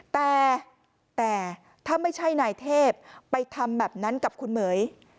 แต่แต่ถ้าไม่ใช่นายเทพไปทำแบบนั้นกับคุณเหม๋ย